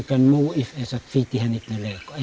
terima kasih pada hands over